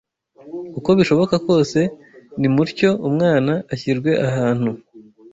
Uko bishoboka kose, nimutyo umwana ashyirwe ahantu